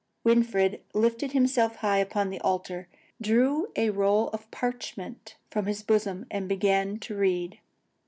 Winfried lifted himself high upon the altar, drew a roll of parchment from his bosom, and began to read.